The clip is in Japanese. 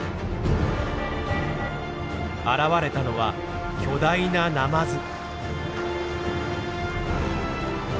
現れたのは巨大なナマズ。